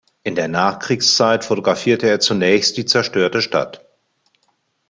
In der Nachkriegszeit fotografierte er zunächst die zerstörte Stadt.